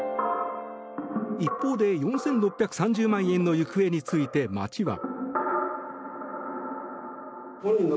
一方で４６３０万円の行方について町は。